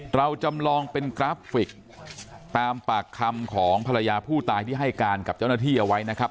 เราจำลองเป็นกราฟิกตามปากคำของภรรยาผู้ตายที่ให้การกับเจ้าหน้าที่เอาไว้นะครับ